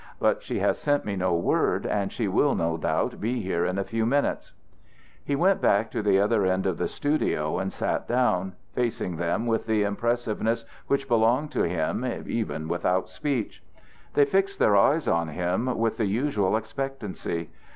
But she has sent me no word and she will no doubt be here in a few minutes." He went back to the other end of the studio and sat down, facing them with the impressiveness which belonged to him even without speech. They fixed their eyes on him with the usual expectancy.